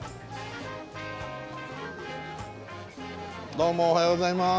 どうもおはようございます。